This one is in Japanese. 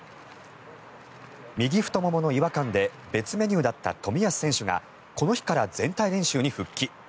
右太ももの違和感で別メニューだった冨安選手がこの日から全体練習に復帰。